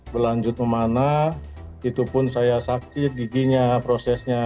berlanjut kemana itu pun saya sakit giginya prosesnya